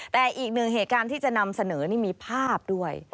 แต่อีกหนึ่งเหตุการณ์ที่จะนำเสนอนี่มีภาพด้วย